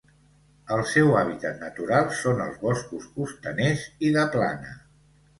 El seu hàbitat natural són els boscos costaners i de plana.